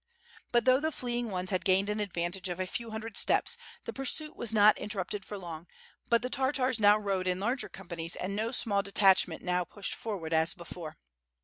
But though the fleeing ones had gained an advantage of a few hundred steps, the pursuit was not interrupted for long, but the Tartars now rode in larger companies, and no small detachment now pushed forward as before.